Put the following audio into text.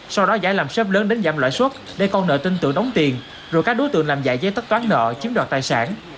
sau đó giải làm xếp lớn đến giảm lãi suất để con nợ tin tưởng đóng tiền rồi các đối tượng làm giải giấy tất toán nợ chiếm đoạt tài sản